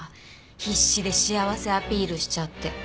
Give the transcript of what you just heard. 必死で幸せアピールしちゃって。